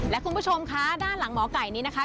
และคุณผู้ชมคะด้านหลังหมอไก่นี้นะคะ